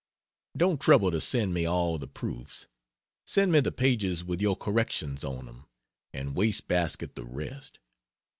Don't trouble to send me all the proofs; send me the pages with your corrections on them, and waste basket the rest.